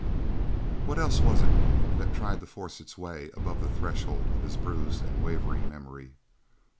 What else was it that tried to force its way above the threshold of his bruised and wavering memory?